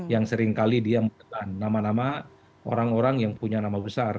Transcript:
yang seringkali dia menelan nama nama orang orang yang punya nama besar